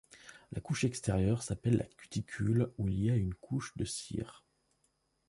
La couche extérieure s'appelle la cuticule où il y a une couche de cire.